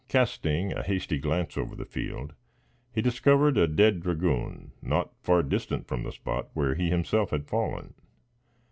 Casting a hasty glance over the field, he discovered a dead dragoon, not far distant from the spot where he himself had fallen.